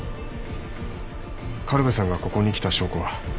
苅部さんがここに来た証拠は。